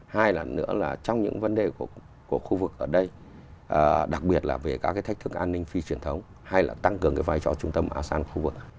hai là nữa là trong những vấn đề của khu vực ở đây đặc biệt là về các cái thách thức an ninh phi truyền thống hay là tăng cường cái vai trò trung tâm asean khu vực